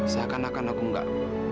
seakan akan aku gak